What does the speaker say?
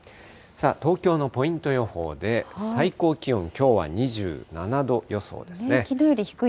東京のポイント予報で、最高気温、きょうは２７度予想ですね。